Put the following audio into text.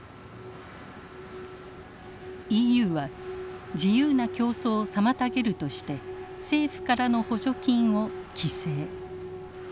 ＥＵは自由な競争を妨げるとして政府からの補助金を規制。